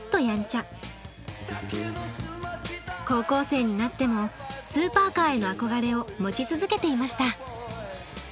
高校生になってもスーパーカーへの憧れを持ち続けていました。